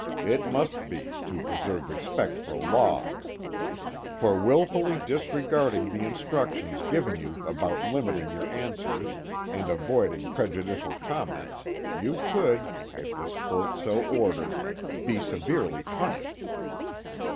It must be, to preserve respect for law. For willfully disregarding the instructions given you about limiting your answers and avoiding prejudicial comments, you could, if this court so ordered, be severely punished."